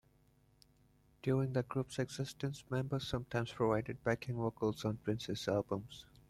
During the group's existence, members sometimes provided backing vocals on Prince's albums.